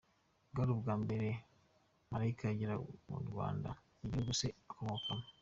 Bwari ubwa mbere Malaika agera mu Rwanda, igihugu se akomokamo.